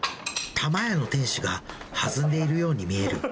玉やの店主がはずんでいるように見える。